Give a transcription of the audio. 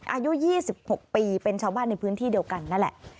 อายุ๒๖ปีเป็นชาวบ้านในพื้นที่เดียวกันนั่นแหละ